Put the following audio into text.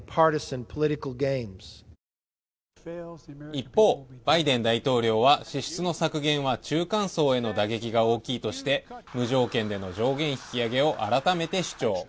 一方、バイデン大統領は支出の削減は中間層への打撃が大きいとして、無条件での上限引き上げを改めて主張。